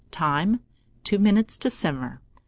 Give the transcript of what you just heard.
Time. 2 minutes to simmer.